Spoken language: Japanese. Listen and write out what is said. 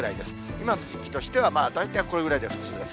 今の時期としては大体これぐらいで普通です。